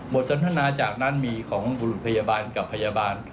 สนทนาจากนั้นมีของบุรุษพยาบาลกับพยาบาล